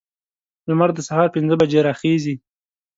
لمر د سهار پنځه بجې راخیزي.